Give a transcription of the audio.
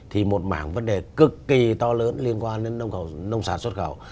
thì một mảng vấn đề cực kỳ to lớn liên quan đến nông sản xuất khẩu